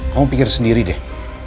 kamu pikir sendiri deh